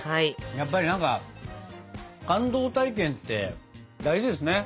やっぱり何か感動体験って大事ですね。